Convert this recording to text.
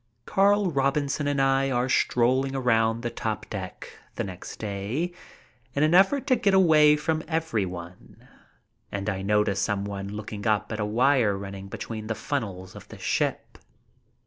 Carl Robinson and I are strolling around the top deck the next day in an effort to get away from everyone, and I notice some one looking up at a wire running between the funnels of the ship.